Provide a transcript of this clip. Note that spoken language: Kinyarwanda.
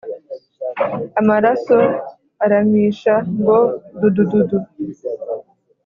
Amaraso aramisha ngo dudududu